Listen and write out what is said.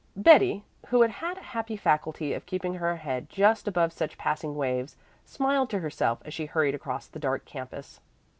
Betty, who had a happy faculty of keeping her head just above such passing waves, smiled to herself as she hurried across the dark campus.